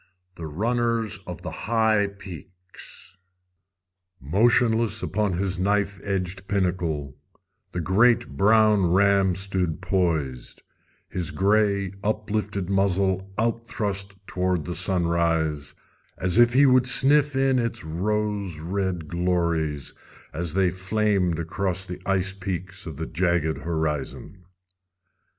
The Runners of the High Peaks Motionless upon his knife edged pinnacle, the great brown ram stood poised, his gray, uplifted muzzle out thrust toward the sunrise as if he would sniff in its rose red glories as they flamed across the ice peaks of the jagged horizon.